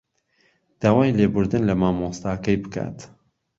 داوای لێبوردن لە مامۆستاکەی بکات